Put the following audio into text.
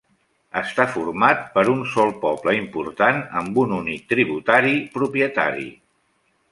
Està format per un sol poble important amb un únic tributari propietari.